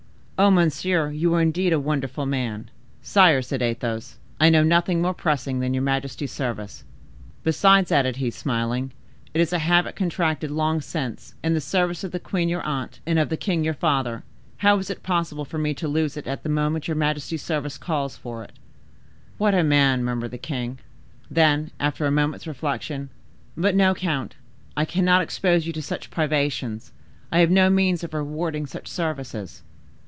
"Ah, monsieur, you are indeed a wonderful man!" "Sire," said Athos, "I know nothing more pressing than your majesty's service. Besides," added he, smiling, "it is a habit contracted long since, in the service of the queen your aunt, and of the king your father. How is it possible for me to lose it at the moment your majesty's service calls for it?" "What a man!" murmured the king. Then, after a moment's reflection,—"But no, count, I cannot expose you to such privations. I have no means of rewarding such services."